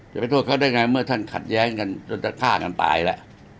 จะไปโทษเขาได้ไงเมื่อท่านขัดแย้งกันจนจะฆ่ากันตายแล้ว